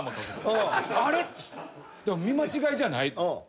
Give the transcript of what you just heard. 見間違いじゃない。